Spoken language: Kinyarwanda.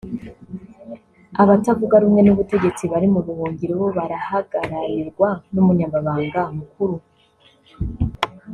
Abatavuga rumwe n’ubutegetsi bari mu buhungiro bo barahagararirwa n’umunyamabanga Mukuru